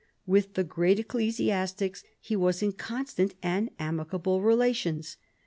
With the great ecclesiastics he was in constant and amicable relations.